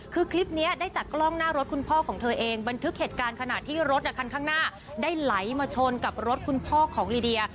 คือคลิปนี้ได้จากกล้องหน้ารถคุณพ่อของเธอเองบันทึกเหตุการณ์ขณะที่รถคันข้างหน้าได้ไหลมาชนกับรถคุณพ่อของลีเดีย